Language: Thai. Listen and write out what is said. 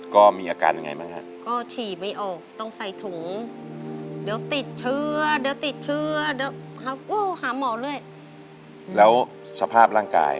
ก็มีอาการยังไงบ้างฮะ